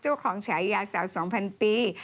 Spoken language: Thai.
เจ้าของฉายยาเสา๒๐๐๐ปี